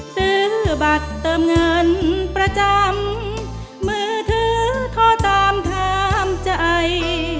ซื้อบัตรเติมเงินประจำมือถือโทรตามถามใจ